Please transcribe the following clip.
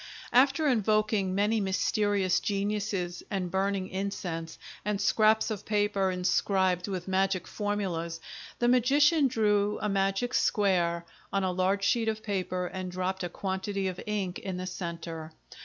After invoking many mysterious geniuses and burning incense and scraps of paper inscribed with magic formulas, the magician drew a magic square on a large sheet of paper and dropped a quantity of ink in the centre.